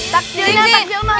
takdilnya takdil mas